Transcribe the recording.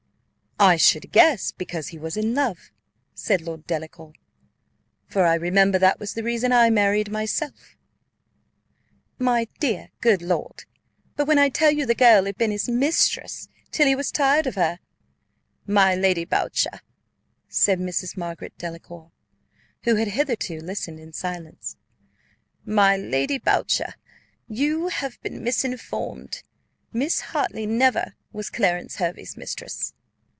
"I should guess because he was in love," said Lord Delacour "for I remember that was the reason I married myself." "My dear good lord but when I tell you the girl had been his mistress, till he was tired of her " "My Lady Boucher," said Mrs. Margaret Delacour, who had hitherto listened in silence, "my Lady Boucher, you have been misinformed; Miss Hartley never was Clarence Hervey's mistress."